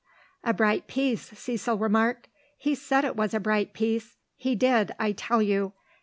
"A bright piece," Cecil remarked. "He said it was a bright piece. He did, I tell you.